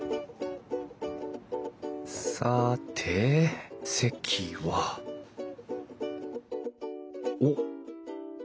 さて席はおっ！